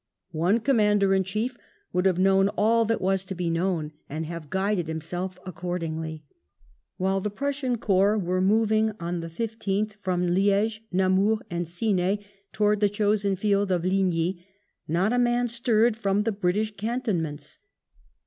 One Commander in Chief would have known all that was to be known, and have guided himself accordingly. While the Prussian corps were moving on the 15bh from Li^ge, Namur, and Ciney, towards the chosen field of Ligny, not a man stirred from the British cantonments.